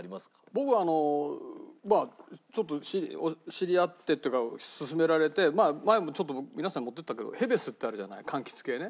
僕はあのちょっと知り合ってっていうか勧められてまあ前もちょっと僕皆さんに持っていったけどへべすってあるじゃない柑橘系ね。